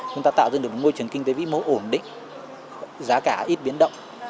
chúng ta tạo dựng được một môi trường kinh tế vĩ mô ổn định giá cả ít biến động